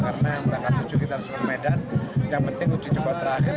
karena tanggal tujuh kita harus bermain dan yang penting uji coba terakhir